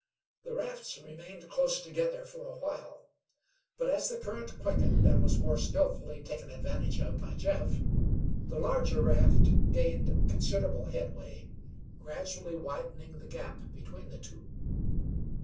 The rafts remained close together for a while, but as the current quickened and was more skillfully taken advantage of by Jeff, the larger raft gained considerable headway, gradually widening the gap between the two.